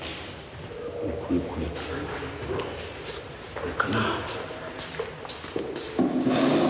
これかな。